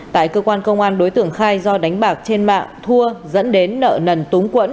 tại cơ quan công an đối tượng khai do đánh bạc trên mạng thua dẫn đến nợ nần túng quẫn